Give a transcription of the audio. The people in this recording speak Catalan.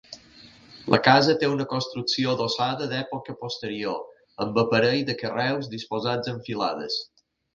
La casa té una construcció adossada d'època posterior, amb aparell de carreus disposats en filades.